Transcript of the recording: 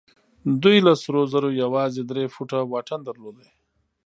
دوی له سرو زرو يوازې درې فوټه واټن درلود.